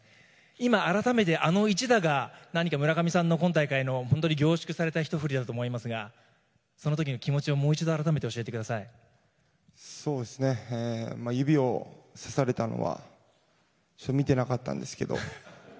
今改めてあの一打が何か村上さんの今大会の本当に凝縮されたひと振りだと思いますが、その時の気持ちを指をさされたのは見てなかったんですけど。